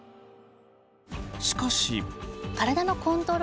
しかし。